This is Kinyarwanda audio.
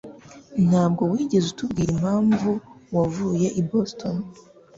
Ntabwo wigeze utubwira impamvu wavuye i Boston.